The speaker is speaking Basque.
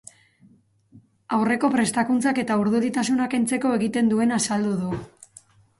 Aurreko prestakuntzak eta urduritasunak kentzeko egiten duena azaldu du.